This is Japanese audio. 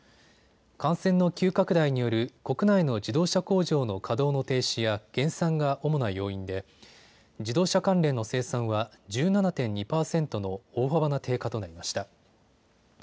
感染の急拡大による国内の自動車工場の稼働の停止や減産が主な要因で自動車関連の生産は１７．２％の大幅な低下となりました。